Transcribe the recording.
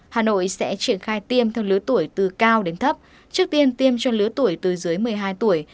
hà nội sẽ triển khai tiêm theo lứa tuổi từ cao đến thấp trước tiên tiêm cho lứa tuổi từ dưới một mươi hai tuổi